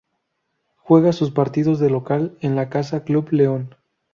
Juega sus partidos de local en la Casa Club León.